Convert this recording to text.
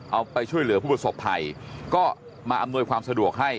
เอาไปช่วยเหลือผู้ประสบภัยก็มาอำนวยความสะดวกให้